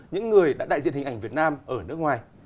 những người đã đại diện hình ảnh việt nam ở nước ngoài